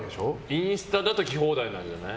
インスタだと来放題じゃない？